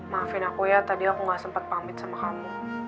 maafin aku ya tadi aku gak sempat pamit sama kamu